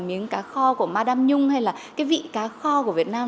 miếng cá kho của madam nhung hay là cái vị cá kho của việt nam